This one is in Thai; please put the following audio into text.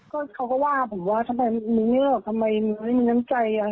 ก็เขาก็ว่าผมว่าทำไมมีงานลดแยกทำไมไม่มีน้ำใจ